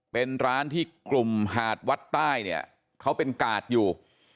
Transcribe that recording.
เป็นร้านที่กลุ่มหาดวัดใต้เนี่ยเขาเป็นกาดอยู่